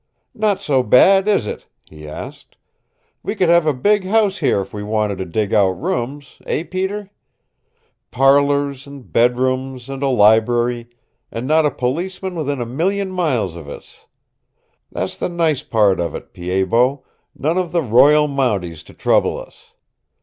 "Not so bad, is it?" he asked. "We could have a big house here if we wanted to dig out rooms eh, Peter? Parlors, and bed rooms, and a library and not a policeman within a million miles of us. That's the nice part of it, PIED BOT none of the Royal Mounties to trouble us.